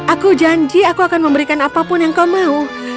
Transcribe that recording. aku janji aku akan memberikan apapun yang kau mau